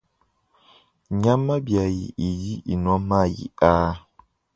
Nyama biayi idi inua mayi aa.